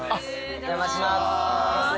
お邪魔します。